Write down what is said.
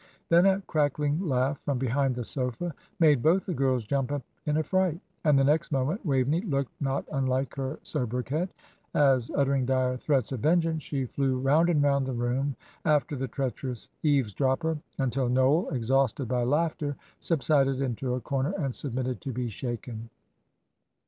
Then a crackling laugh from behind the sofa made both the girls jump up in affright, and the next moment Waveney looked not unlike her soubriquet, as, uttering dire threats of vengeance, she flew round and round the room after the treacherous eavesdropper, until Noel, exhausted by laughter, subsided into a corner and submitted to be shaken.